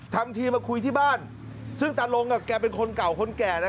ทำทีมาคุยที่บ้านซึ่งตาลงแกเป็นคนเก่าคนแก่นะ